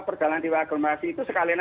perjalanan di wilayah agglomerasi itu sekalian